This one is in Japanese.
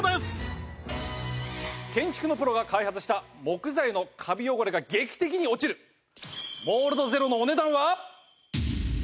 建築のプロが開発した木材のカビ汚れが劇的に落ちるモールドゼロのお値段は？